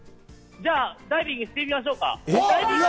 じゃあダイビングしてみましょうか。